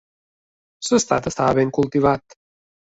L'estat estava ben cultivat.